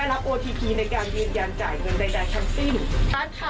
ไม่มีการกดยืนยันสั่งของ